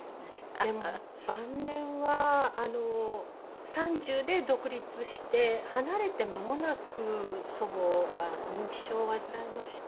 でも晩年は３０で独立して離れてまもなく祖母は認知症を患いまして。